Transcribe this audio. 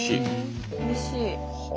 おいしい！